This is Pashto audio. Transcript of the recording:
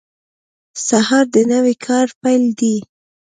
سهار د نوي کار پیل دی.